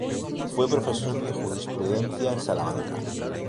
Fue profesor de jurisprudencia en Salamanca.